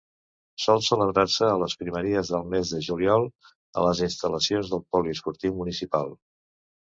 Sol celebrar-se a les primeries del mes de juliol a les instal·lacions del Poliesportiu Municipal.